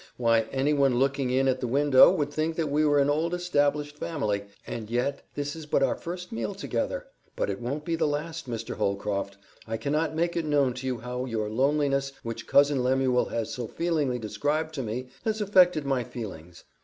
Why, anyone looking in at the window would think that we were an old established family, and yet this is but our first meal together. But it won't be the last, Mr. Holcroft. I cannot make it known to you how your loneliness, which Cousin Lemuel has so feelingly described to me, has affected my feelings.